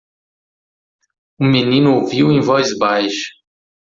O menino ouviu em voz baixa.